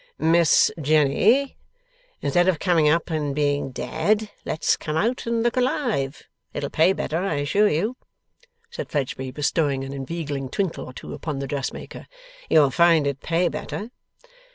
'Miss Jenny! Instead of coming up and being dead, let's come out and look alive. It'll pay better, I assure you,' said Fledgeby, bestowing an inveigling twinkle or two upon the dressmaker. 'You'll find it pay better.